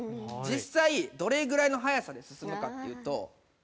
実際どれぐらいの速さで進むかっていうと。